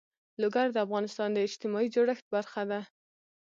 لوگر د افغانستان د اجتماعي جوړښت برخه ده.